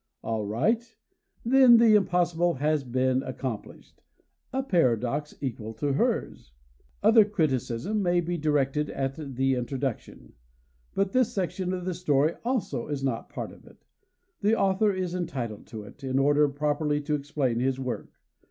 All right. Then the impossible has been accomplished; (a paradox to equal hers!) Other criticism may be directed at the Introduction; but this section of a story also is not part of it. The author is entitled to it, in order properly to explain his work.